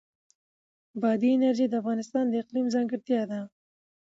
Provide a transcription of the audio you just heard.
بادي انرژي د افغانستان د اقلیم ځانګړتیا ده.